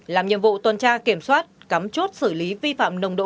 làm nhiệm vụ tuần tra kiểm soát cắm chốt xử lý vi phạm nồng độc